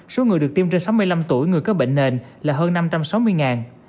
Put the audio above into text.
số người được tiêm trên sáu mươi năm tuổi người có bệnh nền là hơn năm trăm sáu mươi